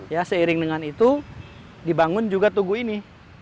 ya seiring dengan itu dibangun juga tugu ini